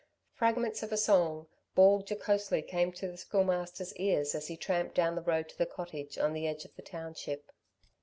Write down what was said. Fragments of a song, bawled jocosely, came to the Schoolmaster's ears as he tramped down the road to the cottage, on the edge of the township.